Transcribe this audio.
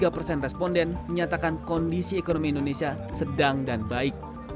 tiga persen responden menyatakan kondisi ekonomi indonesia sedang dan baik